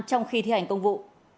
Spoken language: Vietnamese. trong khi thi hành công vụ